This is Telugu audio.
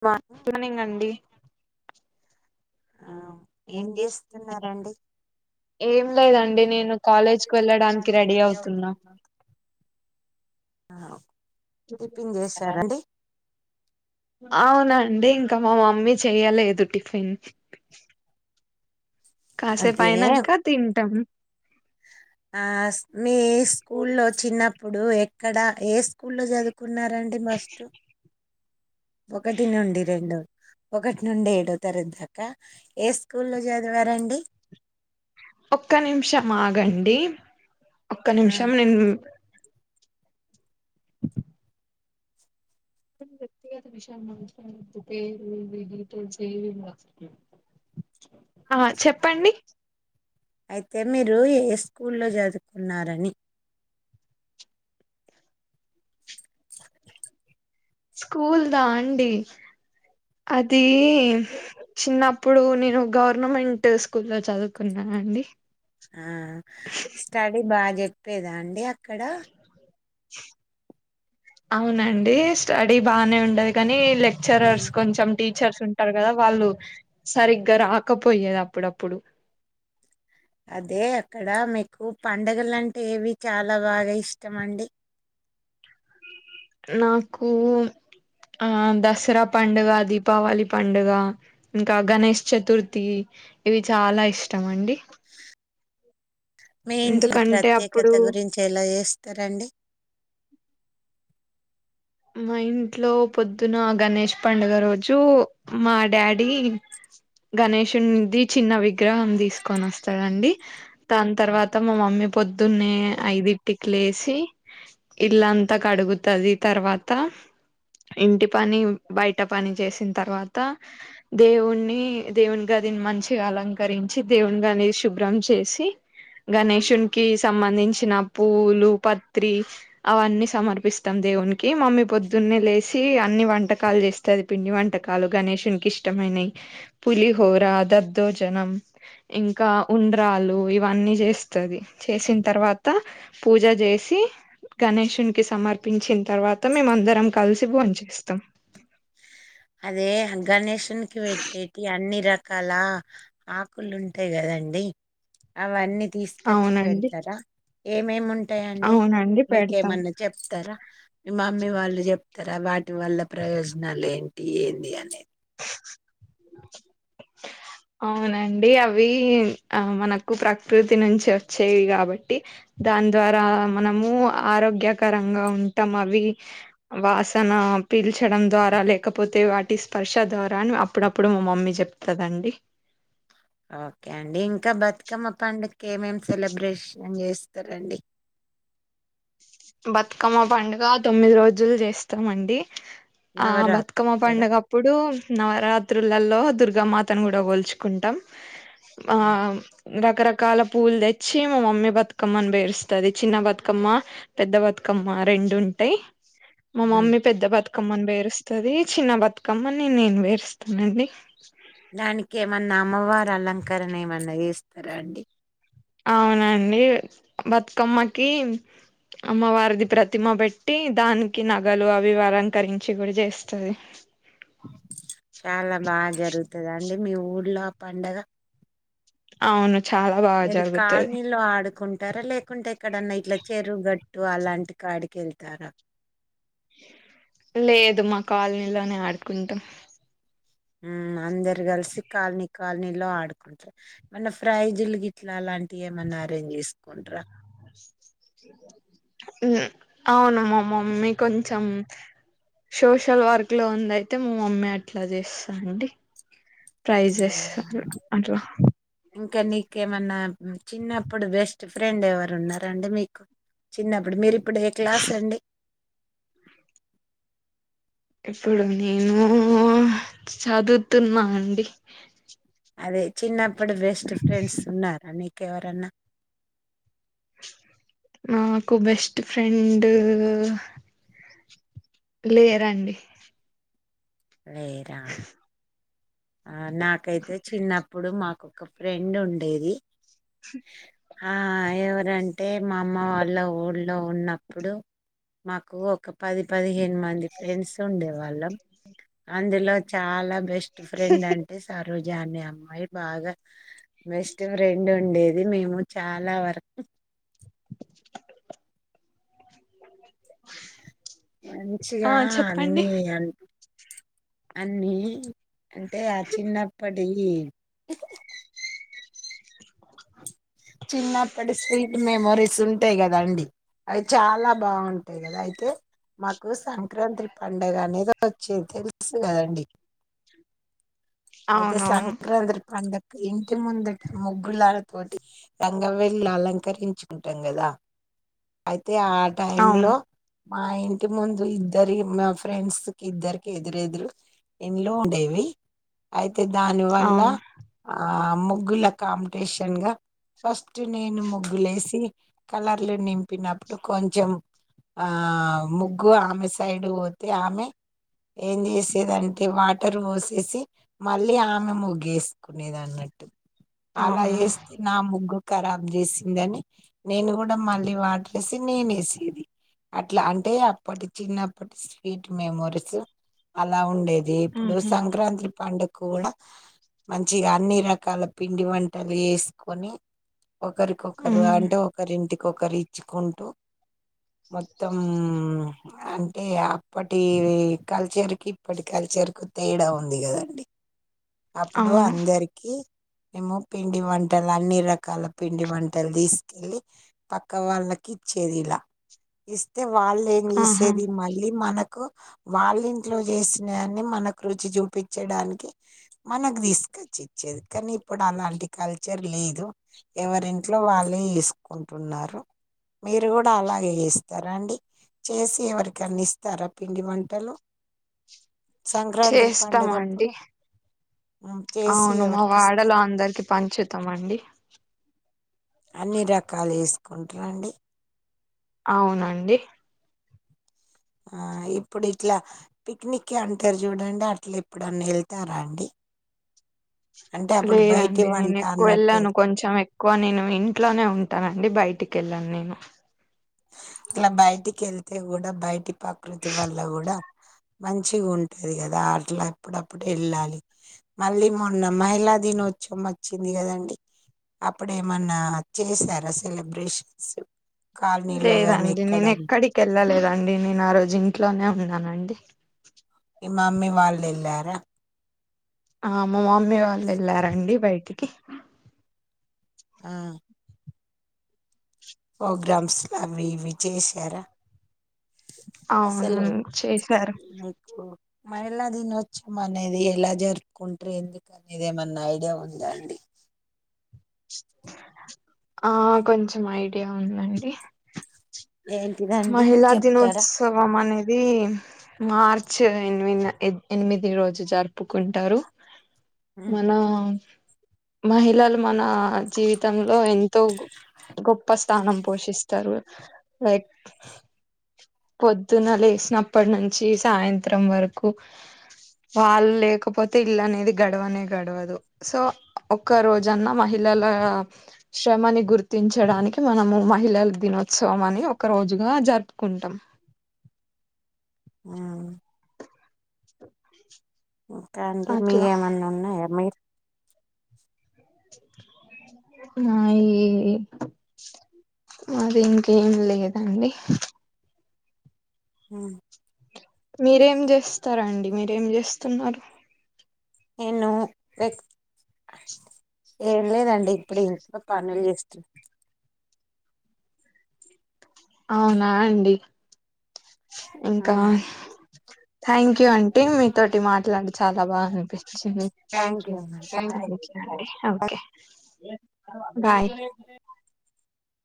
మ మార్నింగ్ అండి ఏం చేస్తున్నరండి చేస్తున్నారండి ఏం లేదండి నేను కాలేజ్కి కాలేజ్ కి వెళ్ళడానికి రెడీ అవుతున్నా టిప్పిన్ చేసారండి అవునండి ఇంకా మా మమ్మీ చెయ్యలేదు టిఫిన్ కాసేపు అదే అయినాక తింటాం ఆ మీ స్కూలో చిన్నప్పుడు ఎక్కడ ఏ స్కూల్ లో చదువు కున్నారండి ఫస్ట్ ఒకటి నుండి రెండు ఒకటి నుండి ఏడో తరగతి దాకా ఏ స్కూల్లో చదివారండి ఒక్క నిమిషం ఆగండి ఒక్క ఆ నిమిషం నేను [inaudible] [unintelligible] ఆ చెప్పండి అయితే మీరు ఏ స్కూల్ లో చేదువుకున్నారని స్కూల్ దా అండి అది చిన్నప్పుడు నేను గవర్నమెంట్ స్కూల్ లో చదువుకున్నాను అ అండి ఆ స్టడీ బాగా చెప్పేదా అండి అక్కడ అవునండి స్టడీ బానే ఉండది కానీ లెక్చరర్స్ కొంచెం టీచర్స్ ఉంటారు కదా వాళ్ళు సరిగ్గా రాకపోయేది అప్పుడప్పుడు అదే అక్కడ మీకు పండగలు అంటే ఎవి చాలా బాగా ఇష్టం అండి నాకు ఆ దసరా పండుగ దీపావళి పండుగ ఇంకా గణేష్ చతుర్థి ఇవి చాలా ఇష్టం అండి మీ ఇంట్లో ఎందుకంటే ప్రత్యేకత అప్పుడు గురించి ఎలా చేస్తారండి మా ఇంట్లో పొద్దున గణేష్ పండుగ రోజు మా డాడీ గణేషునిది చిన్న విగ్రహం తీసుకొని వస్తాారంండి దాని తర్వాత మా మమ్మీ పొద్దున్నే ఐదిటికి లేసి ఇల్లంతా కడుగుతాది తర్వా తా ఇంటి పని బయట పని చేసిన తర్వాత దేవుణి దేవుని గది దీని మంచిగా అలంకరించి దేవుని గాది శుభ్రం చేసి గణేషునికి సంబంధించిన పూలు పత్రి అవన్నీ సమర్పిస్తాం దేవునికి ఈ మమ్మీ పొద్దున్నే లేసి అన్ని వంటకాలు చేస్తది పిండి వంటకాలు గణేషునికి ఇష్టమైనవి పులిహోరా దద్దోజనం ఇంకా ఉండ్రాలు ఇవన్నీ చేస్తది చేసిన తర్వాత పూజ చే సి గణేషునికి సమర్పించిన తర్వా త మేమ అందరం కలిసి భోంచేస్తాం అదే గణేషనికి పెట్టేటి అన్ని రక కళ ఆకులు ఉంటాయి కదండి అవన్నీ తీసుకచ్చి అవునండి పెడతారా ఏమేమి ఉం టాయండి అవునండి పెడతాం మీకేమన్నా చెప్తారా మా మమ్మి వాళ్ళు చెప్తారా వాటి వల్ల ప్రయోజనాలు ఏంటి ఏంది అనేది అవునండి అవి ఆ మనకు ప్రకృతి నుంచి వచ్చేవి కాబట్టి దాని ద్వారా మనము ఆరోగ్యకరంగా ఉంటాం అవి వాసన పీల్చడం ద్వారా లేకపోతే వాటిస్ పర్షా ద్వారాని అప్పుడప్పుడు మా మమ్మీ చెప్తదండి ఓకే అండి ఇంకా బతుకమ్మ పండుగ ఏమేం సెలబ్రేషన్ చేస్తారంండి బతుకమ్మ పండుగ తొమ్మిది రోజులు చేస్తామండి ఆ బతకమ్మ నవరాత్రులు కదా పంండగప్పుడు నవరాత్రులలో దుర్గామాతను కూడా పోల్చుకుంటాం రకరకాల పూలు తెచ్చి మా మమ్మీ బతుకమ్మని పేరుస్తుది చిన్న బతుకమ్మ పెద్ద బతుకమ్మ రెండు ఉంటాయి మా ఉమ్ మమ్మీ పెద్ద బతుక కమ్మని పేరుస్తుంది చిన్న బతుకమ్మని నేను పేరుస్తానండి దానికిేమన్నా అమ్మవారు అలంకరణ ఏమన్నా చేస్తారా అండి అవునండి బతుకమ్మకి అమ్మవారిది ప్రతిమ పెట్టి దానికి నగలు అవి అలంకరించి కూడా చేస్తది చాలా బాగా జరుగుతుందా అండి మీ ఊర్లో ఆ పండగ అవును చాలా బాగా జరుగుతది ఉంటారా లేకుంటే ఎక్కడన్నా ఇట్లా చెరువు గట్టు అలాంటి కాడికి వెళ్తారా లేదు మా కాలనీలోనే ఆడుకుంటాం ఉమ్ అందరు కలిసి కాలనీ కాలనీలో ఆడుకుంటార్ మన ఫ్రై జిలు గిట్లా అలాం టి ఏమన్నా అరేంజ్ చేసుకుంటరా ఉమ్ అవును మా మమ్మీ కొంచెం సోషల్ వర్క్ లో ఉంది అయితే మా మమ్మీ అట్లా చేస్తా అండి ట్రై ఆ! చేస్తారు అట్లా ఇంకా నీకేమన్నా చిన్నప్పుడు బెస్ట్ ఫ్రెండ్ ఎవరు ఉన్నారండి మీకు చిన్నప్పుడు మీరి ఇప్పుడు ఏ క్లాస్ అండి ఇప్పుడు నేను చదువుతున్నా అండి అదే చిన్నప్పుడు బెస్ట్ ఫ్రెండ్స్ ఉన్నారా నీకెవరన్నా నాకు బెస్ట్ ఫ్రెండ్ లేరండి లేరా ఆ నాకైతే చిన్నప్పుడు మాకోక ఫ్రెండ్ ఉండేది ఆ ఎవరంటే మా అమ్మ వాళ్ళ ఊళ్ళో ఉన్న అప్పుడు మాకు ఒక పది పదిహేను మంది ఫ్రెండ్స్ ఉండేవాళ్ళం అందులో చాలా బెస్ట్ ఫ్రెండ్ అంటే సరోజ్ జా అనే అమ్మాయి బాగా బెస్ట్ ఫ్రెండ్ ఉండేది మేము చాలా వరకు ఆ [inaudible] మంచిగా చెప్పండి అన్ని అంన్ అన్ని అంటే ఆ చిన్నప్పటియి చిన్నప్పటి స్వీట్ మెమోరీస్ ఉంటాయి కదా అండి అవి చాలా బాగుంటాయి కదా అయితే మాకు సంక్రాంత్రి పండుగ అనేది వచ్చేది తెలుసు కదండి అయితే అవునవును సంక్రాంత్రి పండకి ఇంటి ముందటి ముగ్గుల పోటి రంగవెల్లి అలంకరించుకుంటాం కదా అ అయితే ఆ టైమ్ లో అవును మా ఇంటి ముందు ఇద్దరి మా ఫ్రెండ్స్ కి ఇద్దరికి ఎదురెదురు ఇండ్లు ఉండేవి అయితే దానివల్ల అవును ఆ ముగ్గుల కాంపిటిషన్ గా ఫస్ట్ నేను ముగ్గులేసి కలర్లు నింపినప్పుడు కొంచెం ఆ ముగ్గు ఆమె సైడ్ పోతే ఆమె ఏం చేసేదంటే వాటర్ పోసేసి మళ్ళీ ఆమె ముగ్గు వేసుకునేది అన్నట్టు అలా అవునా వేస్తే నా ముగ్గు ఖరాబ్ చేసిందని నేను కూడా మళ్ళీ వాటర్రేసి నేనేసేది అట్లా అంటే అప్పటి చిన్నప్పటి స్వీట్ మెమోరీస్ అలా ఉండేది ది ఇప్పుడు ఊహు సంక్రాంత్రి పండుక్కి కూడా మంచిగా అన్ని రకాల పిండి వంటలు చేసుకొని ఒకరికొకరు హ్మ్ అంటే ఒకరింటికొకరు ఇచ్చుకుంటూ మొత్తం అంటే అప్పటి కల్చర్కి ఇప్పటి కల్చ రుకు తేడా ఉంది కదండి అప్పుడు అవును అందరికి మేము పిండి వంటలు అన్ని రకాల పిండి వంటలు తీసుకెళ్ళి పక్క వాళ్ళకి ఇచ్చేది ఇలా ఇస్తే వాళ్ళు ఏం ఆహా! చేసేది మళ్ళీ మనకు వాళ్ళ ఇంట్లో చేసినఅన్ని మనకు రుచి చూపించ చ్చడానికి మనకు తీసుకొచ్చి ఇచ్చేది కానీ ఇప్పుడు అలాంటి కల్చర్ లేదు ఎవరింట్లో వాళ్ళే చేసుకుంటున్నారు మీరు కూడా అలాగే చేస్తారా అండి చేసి ఎవరికన్నా ఇస్తారా పిండి వంటలు సంక్రాంత్రి పండగ డి అవును మా ఎవరికి ఇస్తారు వాడలో అందరికి పంచుతాం అండి అన్ని రకాలు చేసుకుంటరండి అవునండి ఆ ఇప్పుడు ఇట్లా పిక్నికి అంటారు చూడండి అట్లా ఎప్పుడన్న వెళ్తారా అండి ఆ [inaudible] లేదండి నేను ఎక్కువ అన్నట్టు వెళ్ళను వెళ్- కొంచం ఎక్కువ నేను ఇంట్లోనే ఉంటానండి బయట ఇంటికెల్లాన్ నేను అట్ల బయటికి వెళ్తే కూడా బయటి ప్రకృతి వల్ల కూడ మంచిగ ఉంటది కదా ఆట్లాటప్పుడప్పుడు వెళ్ళాలి మళ్ళీ మొన్న మహిళ దినోత్సవం మచ్చింది కదండి అప్పుడేమన్నా చేసారా సెలబ్రేషన్స్ కాలనీలో గాని లేదండి ఎక్కడ మీ నేనెక్కడికి వెళ్ళలేదండి నేను ఆ రోజు ఇంట్లోనే ఉన్నానండి మి మామ్మీ వాళ్ళు వెళ్ళార ఆ మా మమ్మీ వాళ్ళు వెళ్ళారంండి బయటికి ఆ ప్రోగ్రామ్స్ కాని ఇవి చేశార అవును అస్సలు చేశారు. మహిళా దినోత్సవం అనేది ఎలా జరుపుకుంటారు ఎందుక అనేది ఏమన్నా ఐడియా ఉందా అండి ఆ కొంచం ఐడియ ఉందండి ఏంటిదండి మహిళ చెప్తారా దినోత్సవమనేది ఇది మార్చ్ ఎనిమిదిన ఎనిమిది రోజు జరుపుకుంటారు ఉమ్ మన మహిళలు మన జీవితంలో ఎంతో గొప్ప స్థానం పోషిస్తారు లైక్ పొద్దున్న లేసినప్పటి నుంచి సాయంత్రం వరకు వాళ్ లేకపోతే ఇల్లనేది గడవనే గడవదు సో ఒక్క రోజన్నా మహిళ ళల శ్రమని గుర్తించడానికి మనము మహిళల్ దినోత్సవం అని ఒక రోజుగా గా జరుపుకుంటాం ఆ ఇంతె అండి అట్లా మీకేమన్నా ఉన్నాయా మీ ర్ నాయి మరి ఇంకేం లేదండి ఉమ్ మీరేం చేస్తారండి మీరేం చేస్తున్నారు నేను రేప్ ఏం లేదండి ఇప్పుడు ఇంట్లో పనులు చేస్తా అవునా అండి ఇంకా థ్యాంక్ యూఆంటి మీతోోటి మాట్లాడి చాల బాగా అనిపిించింది థ్యాంక్ అండి యూ ఓకే బాయ్